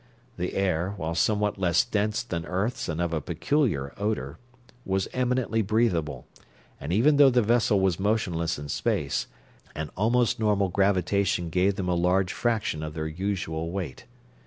The air, while somewhat less dense than earth's and of a peculiar odor, was eminently breathable, and even though the vessel was motionless in space, an almost normal gravitation gave them a large fraction of their usual weight.